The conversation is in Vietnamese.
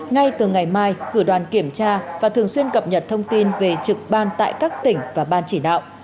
ngay từ ngày mai cử đoàn kiểm tra và thường xuyên cập nhật thông tin về trực ban tại các tỉnh và ban chỉ đạo